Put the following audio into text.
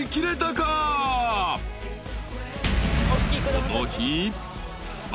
［この日］